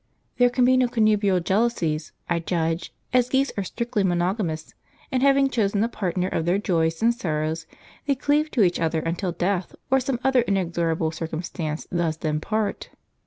There can be no connubial jealousies, I judge, as geese are strictly monogamous, and having chosen a partner of their joys and sorrows they cleave to each other until death or some other inexorable circumstance does them part.